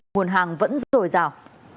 nguồn hàng vẫn dồi dào